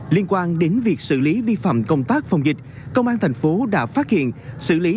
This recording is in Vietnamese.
liên quan đến việc xử lý vi phạm công tác phòng dịch công an thành phố đã phát hiện xử lý